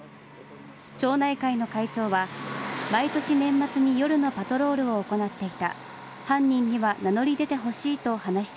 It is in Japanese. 町内会の会長は毎年、年末に夜のパトロールを行っていた。